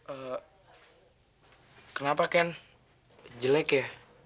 eh kenapa kan jelek ya